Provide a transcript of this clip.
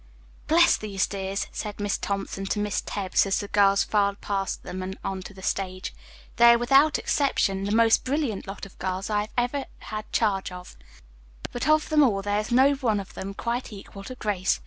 "Bless the dears," said Miss Thompson to Miss Tebbs, as the girls filed past them and on to the stage. "They are without exception the most brilliant lot of girls I have ever had charge of. But of them all there is no one of them quite equal to Grace.